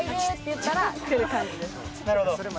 なるほど。